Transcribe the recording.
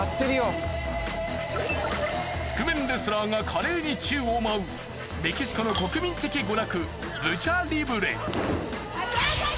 覆面レスラーが華麗に宙を舞うメキシコの国民的娯楽ルチャリブレ。